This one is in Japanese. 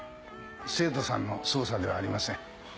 生徒さんの捜査ではありません。